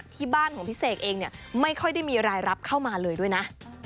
ที่บ้านของพี่เสกเองเนี่ยไม่ค่อยได้มีรายรับเข้ามาเลยด้วยนะ